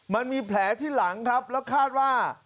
มันมีแผลที่หลังครับแล้วคาดว่า